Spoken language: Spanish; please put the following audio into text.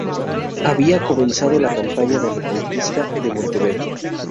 Había comenzado la campaña de reconquista de Monteverde.